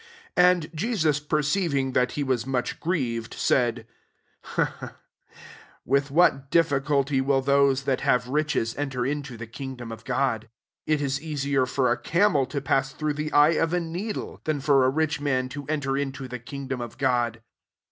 24 And Jesus perceiving that fie was much grieved, said, "With what difficulty will those that have riches enter into the kingdom of God ! 25 It is easier for a camel to pass through the eye of a needle, than for a rich man to enter in to the kingdom of God."